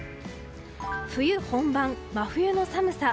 冬本番、真冬の寒さ。